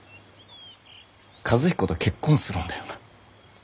和彦と結婚するんだよな？